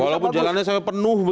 walaupun jalannya sampai penuh